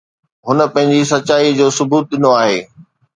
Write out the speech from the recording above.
هن پنهنجي سچائي جو ثبوت ڏنو آهي